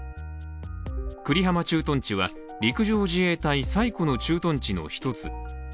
久里浜駐屯地は陸上自衛隊最古の駐屯地の一つ。